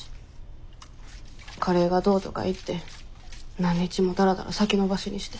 カレーがどうとか言って何日もダラダラ先延ばしにして。